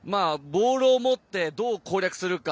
ボールを持ってどう攻略するか。